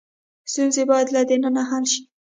ستونزې باید له دننه حل شي.